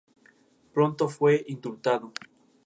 Pronto fue indultado.